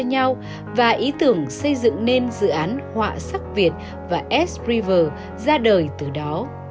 nó có thể bổ sung cho nhau và ý tưởng xây dựng nên dự án họa sắc việt và s river ra đời từ đó